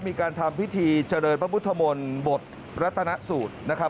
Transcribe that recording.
มีการทำพิธีเจริญพระพุทธมนต์บทรัฐนสูตรนะครับ